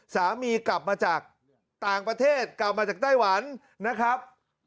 สามีกลับมาจากต่างประเทศกลับมาจากไต้หวันนะครับ